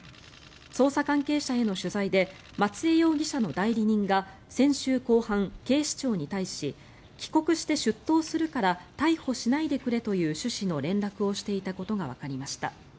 捜査関係者への取材で松江容疑者の代理人が先週後半、警視庁に対し帰国して出頭するから逮捕しないでくれという趣旨の連絡をしていたことがわかりました。